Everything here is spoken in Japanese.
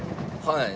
はい。